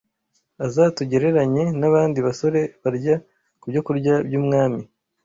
uzatugereranye n’abandi basore barya ku byokurya by’umwami